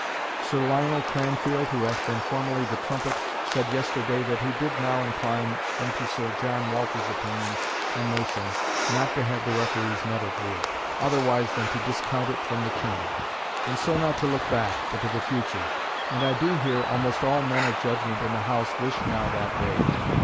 Sir Lionel Cranfield, who hath been formerly the trumpet, said yesterday that he did now incline unto Sir John Walter's opinion and motion not to have the referees meddled with, otherwise than to discount it from the King; and so not to look back, but to the future. And I do hear almost all men of judgement in the House wish now that way.